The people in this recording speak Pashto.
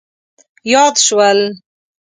یاد شول.